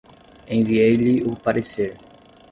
Enviei-lhe o parecer